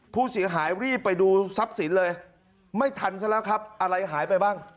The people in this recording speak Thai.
ผู้เสียหายรีบไปดูทรัพย์สินเลยไม่ทันซะแล้วครับอะไรหายไปบ้าง